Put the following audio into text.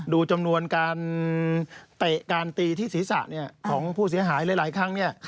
ดูจำนวนการเตะการตีที่ศีรษะของผู้เสียหายหลายครั้ง